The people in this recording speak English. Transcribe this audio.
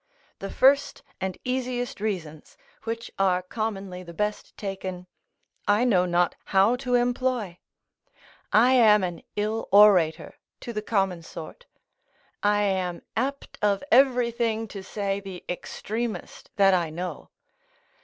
The first and easiest reasons, which are commonly the best taken, I know not how to employ: I am an ill orator to the common sort. I am apt of everything to say the extremest that I know.